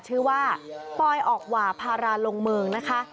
ชื่อว่าปอยออกหว่าพาราลงเมืองนะคะ